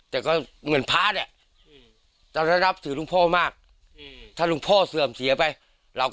ตัวของคุณลุงเคยเลือกเสียบรรยินด้วย